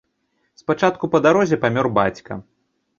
Спачатку па дарозе памёр бацька.